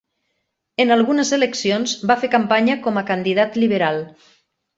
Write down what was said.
En algunes eleccions, va fer campanya com a candidat liberal.